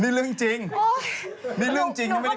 นี่เรื่องจริงนี่เรื่องจริงไม่ได้โกหกนะ